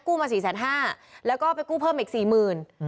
มาสี่แสนห้าแล้วก็ไปกู้เพิ่มอีกสี่หมื่น